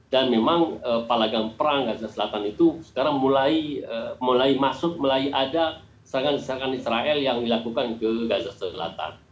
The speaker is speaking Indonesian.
dan memang palagang perang gaza selatan itu sekarang mulai masuk mulai ada serangan serangan israel yang dilakukan ke gaza selatan